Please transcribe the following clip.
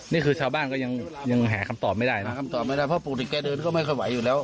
นี่คือชาวบ้านก็ยังหาคำตอบไม่ได้นะคำตอบไม่ได้เพราะปกติแกเดินก็ไม่ค่อยไหวอยู่แล้ว